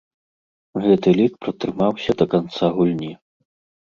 Гэты лік пратрымаўся да канца гульні.